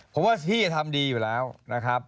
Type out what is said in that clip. ผมว่าพี่ทำดีอยู่แล้วนะครับ